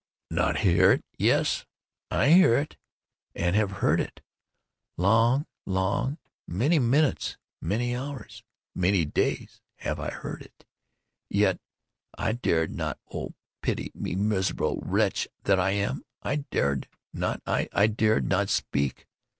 "Not hear it?—yes, I hear it, and have heard it. Long—long—long—many minutes, many hours, many days, have I heard it—yet I dared not—oh, pity me, miserable wretch that I am!—I dared not—I dared not speak!